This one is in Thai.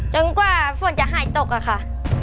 กว่าฝนจะหายตกอะค่ะ